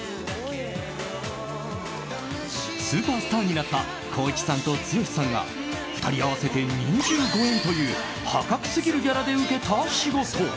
スーパースターになった光一さんと剛さんが２人合わせて２５円という破格すぎるギャラで受けた仕事。